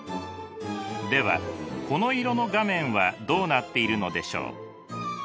ではこの色の画面はどうなっているのでしょう？